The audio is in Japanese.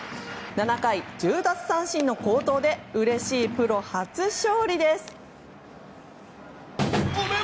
７回１０奪三振の好投でうれしいプロ初勝利です。